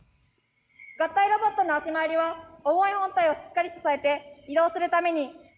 合体ロボットの足回りは重い本体をしっかり支えて移動するために。